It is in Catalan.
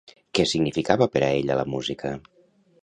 Què significava per a ella la música?